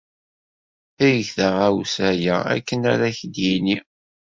Eg taɣawsa-a akken ara ak-d-yini.